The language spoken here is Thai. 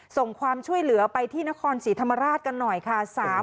ส่งความช่วยเหลือไปที่นครศรีธรรมราชกันหน่อยค่ะ